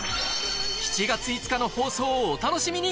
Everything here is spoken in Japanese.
７月５日の放送をお楽しみに！